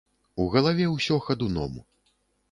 У галаве ўсё хадуном.